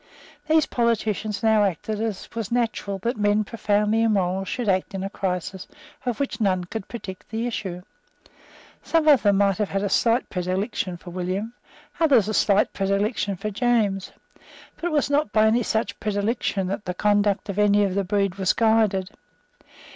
These politicians now acted as it was natural that men profoundly immoral should act at a crisis of which none could predict the issue. Some of them might have a slight predilection for William; others a slight predilection for James; but it was not by any such predilection that the conduct of any of the breed was guided.